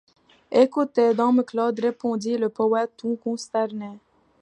Écoutez, dom Claude, répondit le poëte tout consterné.